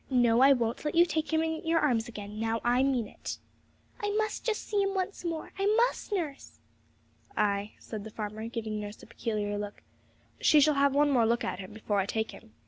No, I won't let you take him in your arms again now I mean it.' 'I must just see him once more; I must, nurse!' 'Ay,' said the farmer, giving nurse a peculiar look, 'she shall have one more look at him, before I take him!'